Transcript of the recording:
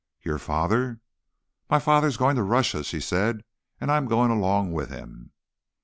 "Your father—" "My father is going to Russia," she said, "and I am going along with him."